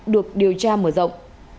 được điều tra mở rộng